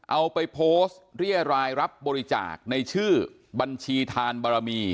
เอาไปโพสต์เรียรายรับบริจาคในชื่อบัญชีทานบารมี